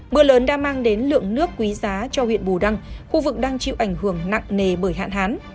mưa lớn đã mang đến lượng nước quý giá cho huyện bù đăng khu vực đang chịu ảnh hưởng nặng nề bởi hạn hán